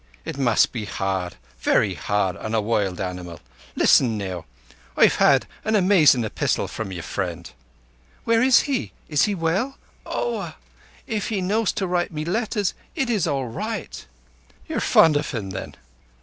It must be hard—very hard on a wild animal. Listen now. I've an amazin' epistle from your friend." "Where is he? Is he well? Oah! If he knows to write me letters, it is all right." "You're fond of him then?"